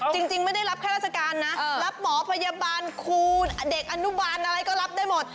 จริงไม่ได้รับข้าราชการนะรับหมอพยาบาลคูณเด็กอนุบาลอะไรก็รับได้หมด